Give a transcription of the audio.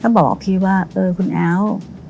ก็บอกพี่ว่าเออคุณแอ๋ว